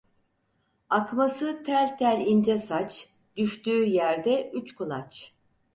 Akması tel tel ince saç, Düştüğü yerde üç kulaç.